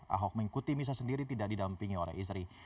ahok mengikuti misa sendiri tidak didampingi oleh istri